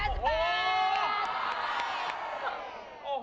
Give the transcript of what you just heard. ถูกต่าง